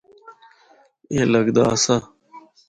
اے لگدا آسا۔